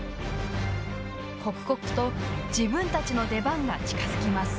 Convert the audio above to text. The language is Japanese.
刻々と自分たちの出番が近づきます。